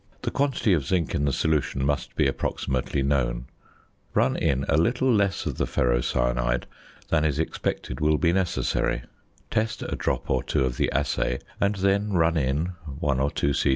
The quantity of zinc in the solution must be approximately known; run in a little less of the ferrocyanide than is expected will be necessary; test a drop or two of the assay, and then run in, one or two c.c.